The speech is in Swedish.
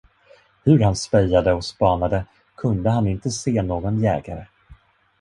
Hur han spejade och spanade, kunde han inte se någon jägare.